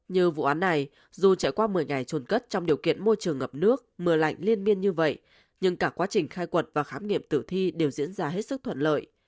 như vụ án này dù trải qua một mươi ngày trồn cất trong điều kiện môi trường ngập nước mưa lạnh liên biên như vậy nhưng cả quá trình khai quật và khám nghiệm tử thi đều diễn ra hết sức thuận lợi